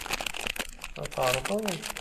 Ad tɛerḍeḍ?